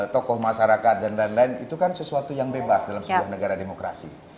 tokoh masyarakat dan lain lain itu kan sesuatu yang bebas dalam sebuah negara demokrasi